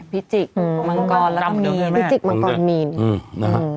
พิจิกอืมมังกรแล้วก็มีนพิจิกมังกรมีนอืมนะฮะ